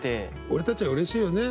俺たちはうれしいよね